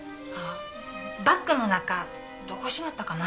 バッグの中どこしまったかな？